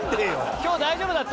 今日大丈夫だった？